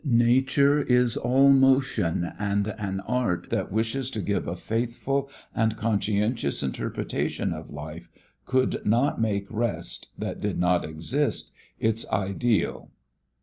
Nature is all motion and an art that wished to give a faithful! and conscientious interpretation of life could not make rest, that did not exist, its ideal.